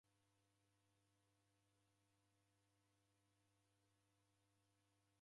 Kibofu chake chabarika